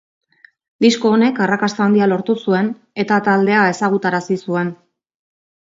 Disko honek arrakasta handia lortu zuen eta taldea ezagutarazi zuen.